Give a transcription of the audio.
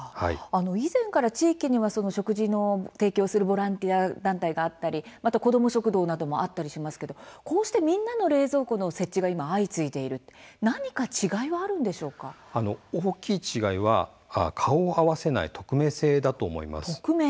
以前から地域に食事の提供をするボランティア団体があったりこども食堂なんかもあったりしますけれどもこうして、みんなの冷蔵庫の設置が相次いでいる大きい違いは顔を合わせない匿名性だと思います。